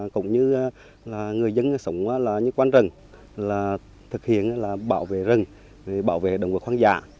cũng như người dân sống như quan rừng thực hiện bảo vệ rừng bảo vệ động vật hoang dã